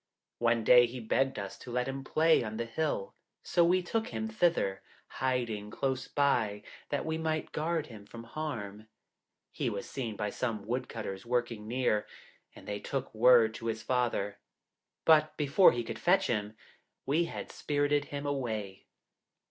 ... One day he begged us to let him play on the hill, so we took him thither, hiding close by, that we might guard him from harm. He was seen by some wood cutters working near, and they took word to his father; but before he could fetch him, we had spirited him away.